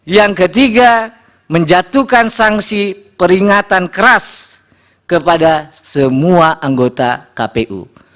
yang ketiga menjatuhkan sanksi peringatan keras kepada semua anggota kpu